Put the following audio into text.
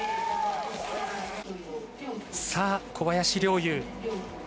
さあ、小林陵侑。